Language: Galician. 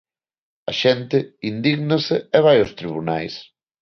A xente indígnase e vai aos tribunais.